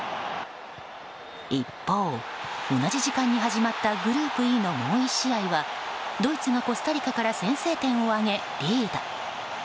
一方、同じ時間に始まったグループのもう１試合はドイツがコスタリカから先制点を挙げ、リード。